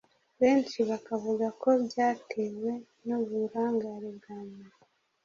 benshi bakavuga ko byatewe n’uburangare bwa nyina